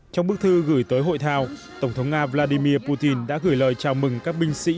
trong bức thư gửi tới hội thao tổng thống nga vladimir putin đã gửi lời chào mừng các binh sĩ